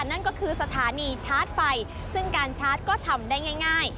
นั่นก็คือสถานีชาร์จไฟซึ่งการชาร์จก็ทำได้ง่าย